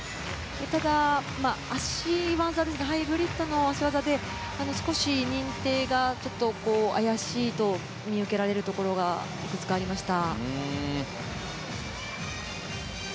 ただ、ハイブリッドの脚技で少し認定が怪しいと見受けられるところがいくつかありました。